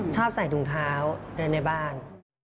ชอบใส่ถุงเท้าเดินในบ้าน